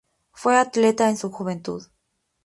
Fue atleta en su juventud.